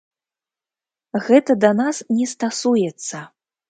Гэта да нас не стасуецца.